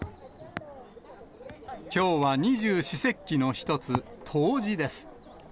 きょうは二十四節気の一つ、冬至です。